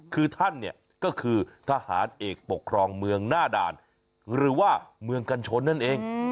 คือท่านเนี่ยก็คือทหารเอกปกครองเมืองหน้าด่านหรือว่าเมืองกันชนนั่นเอง